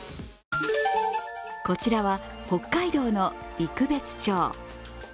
こちらは北海道の陸別町。